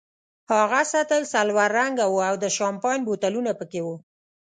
هغه سطل سلور رنګه وو او د شیمپین بوتلونه پکې وو.